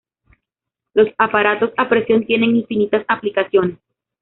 Los aparatos a presión tienen infinitas aplicaciones.